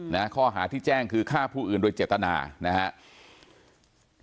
นะฮะข้อหาที่แจ้งคือฆ่าผู้อื่นโดยเจตนานะครับ